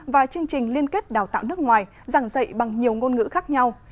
và chương trình liên kết đào tạo nước ngoài giảng dạy bằng nhiều ngôn ngữ khác nhau